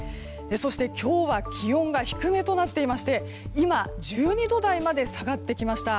そして今日は気温が低めとなっていまして今、１２度台まで下がってきました。